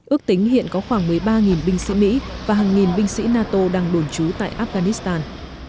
ước tính hiện có khoảng một mươi ba binh sĩ mỹ và hàng nghìn binh sĩ nato đang đồn trú tại afghanistan